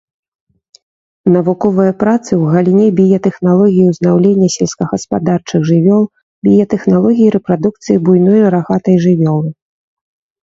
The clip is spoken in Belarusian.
Навуковыя працы ў галіне біятэхналогіі ўзнаўлення сельскагаспадарчых жывёл, біятэхналогіі рэпрадукцыі буйной рагатай жывёлы.